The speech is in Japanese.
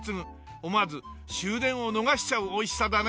思わず終電を逃しちゃうおいしさだね。